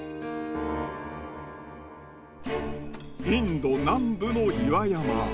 インド南部の岩山。